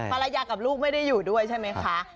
ภรรยากับลูกไม่ได้อยู่ด้วยใช่ไหมคะ